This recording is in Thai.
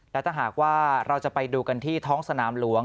และถ้าหากว่าเราจะไปดูกันที่ท้องสนามหลวง